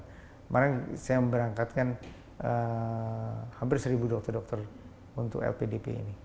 kemarin saya memberangkatkan hampir satu dokter dokter untuk lpdp ini